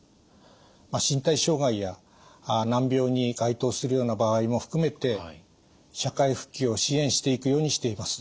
身体障害や難病に該当するような場合も含めて社会復帰を支援していくようにしています。